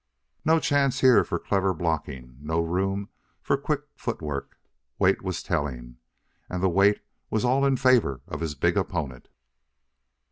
No chance here for clever blocking, no room for quick foot work; weight was telling, and the weight was all in favor of his big opponent.